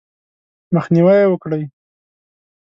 مخنیوی یې وکړئ :